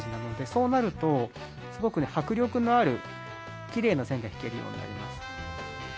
そうなるとすごく迫力のあるきれいな線が引けるようになります。